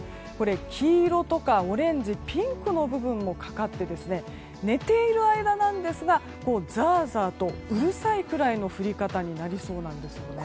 黄色とかオレンジピンクの部分もかかって寝ている間ですがザーザーとうるさいくらいの降り方になりそうなんですね。